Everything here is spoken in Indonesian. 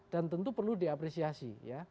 dan tentu perlu diapresiasi ya